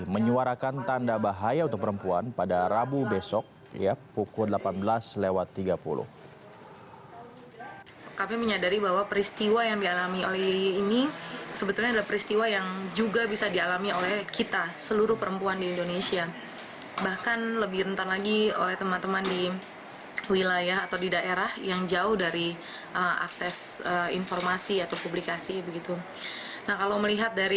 menyuarakan tanda bahaya untuk perempuan pada rabu besok pukul delapan belas tiga puluh